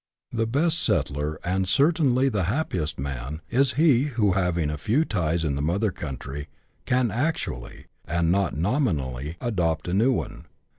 The best settler, and certainly the happiest man, is he who, having few ties in the mother country, can actually, and not nominally, adopt a new one.